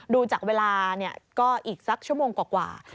ดูจากเวลาก็อีกสักชั่วโมงกว่า